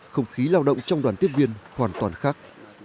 không khí lao động trong đoàn tiếp viên hoàn toàn khác